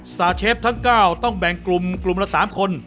สตาร์เชฟทั้ง๙ต้องแบ่งกลุ่มกลุ่มละ๓คน